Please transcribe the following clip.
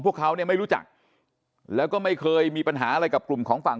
พวกเขาเนี่ยไม่รู้จักแล้วก็ไม่เคยมีปัญหาอะไรกับกลุ่มของฝั่ง